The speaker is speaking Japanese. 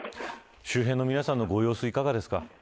周辺の皆さんのご様子いかがですか。